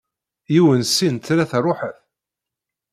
Yiwen, sin, tlata, ruḥet!